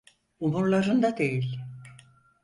Umurlarında değil.